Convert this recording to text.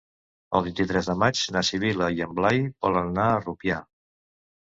El vint-i-tres de maig na Sibil·la i en Blai volen anar a Rupià.